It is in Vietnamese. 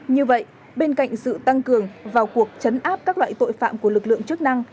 như vậy bên cạnh sự tăng cường vào cuộc chấn áp các loại tội phạm của lực lượng chức năng